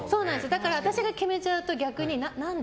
だから私が決めちゃうと逆に何で？